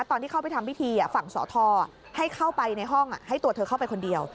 ตอนที่เข้าไปทำพิธีฝั่งสทให้เข้าไปในห้องให้ตัวเธอเข้าไปคนเดียว